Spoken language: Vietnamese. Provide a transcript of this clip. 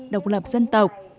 độc lập dân tộc